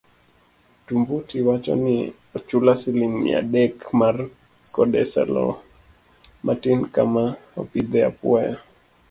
Tumbuti wacho ni ochula siling mia adek mar kodesa loo matin kama opidhe apuoyo